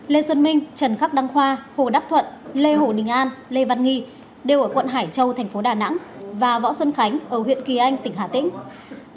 lê xuân minh trần khắc đăng khoa hồ đắc thuận lê hồ đình an lê văn nghi đều ở quận hải châu thành phố đà nẵng và võ xuân khánh ở huyện kỳ anh tỉnh hà tĩnh